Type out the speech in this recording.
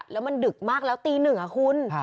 แล้วมันดึกมากแล้วตีหนึ่งคุณ